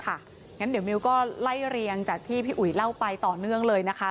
งั้นเดี๋ยวมิวก็ไล่เรียงจากที่พี่อุ๋ยเล่าไปต่อเนื่องเลยนะคะ